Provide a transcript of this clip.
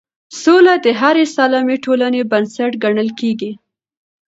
سوله د هرې سالمې ټولنې بنسټ ګڼل کېږي